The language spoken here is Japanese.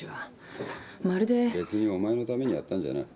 別にお前のためにやったんじゃない。